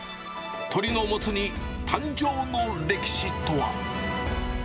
鶏のモツ煮誕生の歴史とは。